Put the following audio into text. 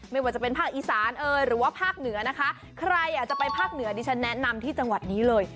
ไม่ว่าจะเป็นภาคอีสานเอ่ยหรือว่าภาคเหนือนะคะใครอยากจะไปภาคเหนือดิฉันแนะนำที่จังหวัดนี้เลย